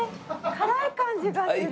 辛い感じがする。